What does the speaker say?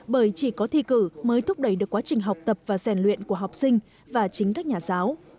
bởi chỉ có thi cử mới thúc đẩy được quá trình học tập và rèn luyện của học sinh và chính các nhà giáo